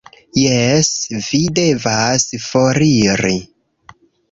Jes, vi devas foriri